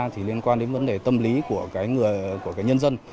thì liên quan đến vấn đề tâm lý của cái nhân dân